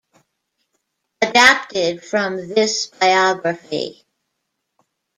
Adapted from this biography.